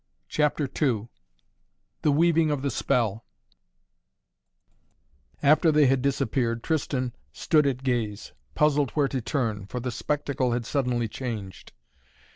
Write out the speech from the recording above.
CHAPTER II THE WEAVING OF THE SPELL After they had disappeared Tristan stood at gaze, puzzled where to turn, for the spectacle had suddenly changed.